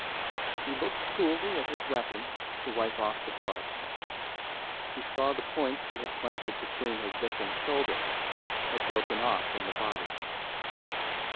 He looked coolly at his weapon to wipe off the blood; he saw the point he had planted between his victim's shoulders had broken off in the body.